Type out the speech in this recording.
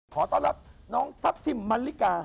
ขอต้อนรับน้องทัพทิมมันลิกา